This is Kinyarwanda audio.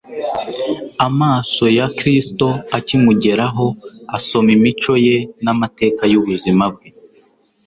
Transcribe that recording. Amaso ya Kristo akimugeraho asoma imico ye n'amateka y'ubuzima bwe.